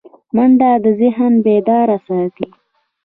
منډه ذهن بیدار ساتي